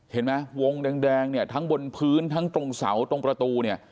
เห็นไหมวงแดงเนี่ยทั้งบนพื้นทั้งตรงเสาตรงประตูเนี่ย